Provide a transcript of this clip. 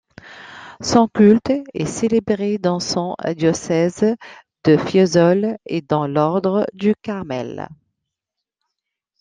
Son culte est célébré dans son diocèse de Fiesole et dans l'Ordre du Carmel.